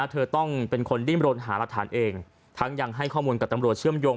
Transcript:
เธอต้องเป็นคนดิ้มรนหารักฐานเองทั้งยังให้ข้อมูลกับตำรวจเชื่อมโยง